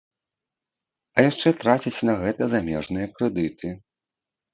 А яшчэ трацяць на гэта замежныя крэдыты.